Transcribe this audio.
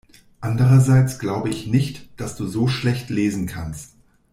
Andererseits glaube ich nicht, dass du so schlecht lesen kannst.